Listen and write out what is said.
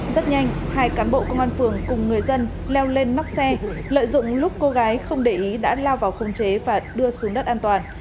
rất nhanh hai cán bộ công an phường cùng người dân leo lên móc xe lợi dụng lúc cô gái không để ý đã lao vào khống chế và đưa xuống đất an toàn